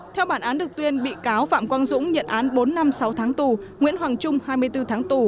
theo bản án được tuyên bị cáo phạm quang dũng nhận án bốn năm sáu tháng tù nguyễn hoàng trung hai mươi bốn tháng tù